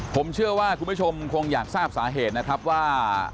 ผมเชื่อว่าคุณผู้ชมคงอยากทราบสาเหตุนะครับว่า